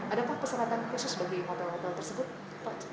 ada apa persyaratan khusus bagi hotel hotel tersebut